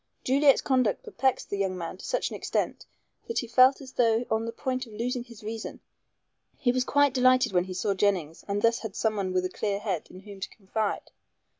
Juliet's conduct perplexed the young man to such an extent that he felt as though on the point of losing his reason. He was quite delighted when he saw Jennings and thus had someone with a clear head in whom to confide.